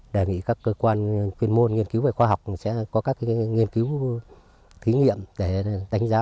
đề nghị các cơ quan chuyên môn nghiên cứu về khoa học sẽ có các nghiên cứu thí nghiệm để đánh giá